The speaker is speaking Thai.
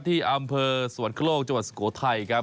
ที่อำเภอสวรรคโลกจังหวัดสุโขทัยครับ